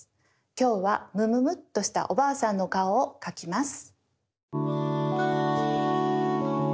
きょうはむむむっとしたおばあさんのかおをかきます。